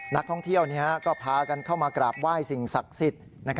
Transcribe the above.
นักท่องเที่ยวก็พากันเข้ามากราบไหว้สิ่งศักดิ์สิทธิ์